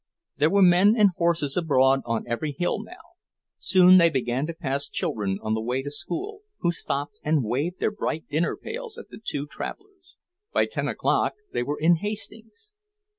There were men and horses abroad on every hill now. Soon they began to pass children on the way to school, who stopped and waved their bright dinner pails at the two travellers. By ten o'clock they were in Hastings.